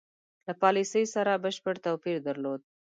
له پالیسی سره بشپړ توپیر درلود.